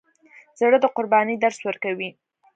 زړه د قربانۍ درس ورکوي.